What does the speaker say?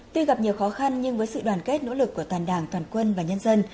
tuy gặp nhiều khó khăn nhưng với sự đoàn kết nỗ lực của toàn đảng toàn quân và nhân dân